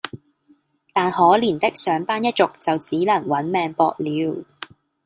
但可憐的上班一族就只能「搵命博」了